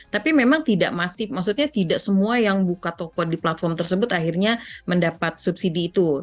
tapi memang tidak semua yang buka toko di platform tersebut akhirnya mendapat subsidi itu